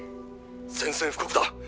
☎宣戦布告だ。